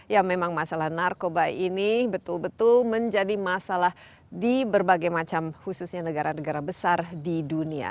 ya memang masalah narkoba ini betul betul menjadi masalah di berbagai macam khususnya negara negara besar di dunia